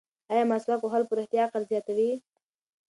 ایا مسواک وهل په رښتیا عقل زیاتوي؟